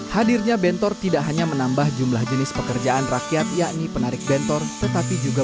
hadirnya bentor tidak hanya menambah jumlah jenis pekerjaan rakyat yakni penarik bentor tetapi juga